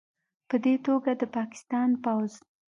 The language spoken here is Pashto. پدې توګه، د پاکستان پوځ